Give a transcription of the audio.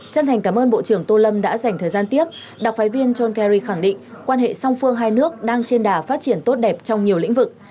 chân thành cảm ơn bộ trưởng tô lâm đã dành thời gian tiếp đặc phái viên john kerry khẳng định quan hệ song phương hai nước đang trên đà phát triển tốt đẹp trong nhiều lĩnh vực